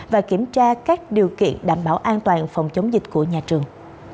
và kiểm tra các điều kiện đảm bảo an toàn phòng chống dịch của nhà trường